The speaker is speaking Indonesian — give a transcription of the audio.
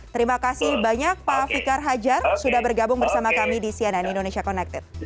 terima kasih banyak pak fikar hajar sudah bergabung bersama kami di cnn indonesia connected